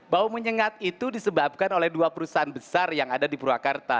bau menyengat itu disebabkan oleh dua perusahaan besar yang ada di purwakarta